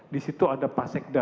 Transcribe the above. di situ ada pak sekda